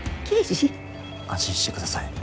安心して下さい。